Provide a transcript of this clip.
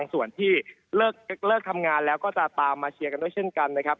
ส่วนที่เลิกทำงานแล้วก็จะตามมาเชียร์กันด้วยเช่นกันนะครับ